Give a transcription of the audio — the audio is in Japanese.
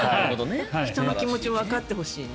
人の気持ちもわかってほしいね。